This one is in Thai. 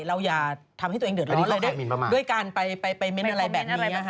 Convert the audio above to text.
อย่าทำให้ตัวเองเดือดร้อนด้วยการไปเม้นต์อะไรแบบนี้